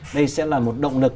đây sẽ là một động lực